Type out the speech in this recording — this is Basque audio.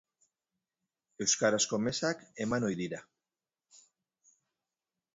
Euskarazko mezak eman ohi dira.